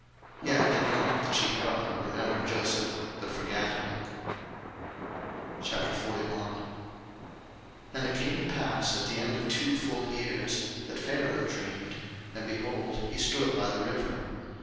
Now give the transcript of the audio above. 01:040:023 Yet did not the chief butler remember Joseph, but forgat him. 01:041:001 And it came to pass at the end of two full years, that Pharaoh dreamed: and, behold, he stood by the river.